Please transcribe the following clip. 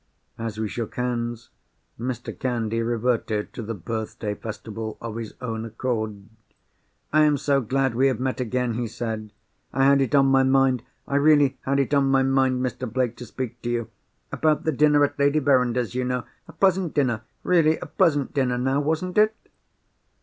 As we shook hands, Mr. Candy reverted to the birthday festival of his own accord. "I am so glad we have met again," he said. "I had it on my mind—I really had it on my mind, Mr. Blake, to speak to you. About the dinner at Lady Verinder's, you know? A pleasant dinner—really a pleasant dinner now, wasn't it?"